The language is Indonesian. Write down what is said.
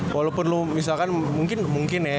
walaupun misalkan mungkin ya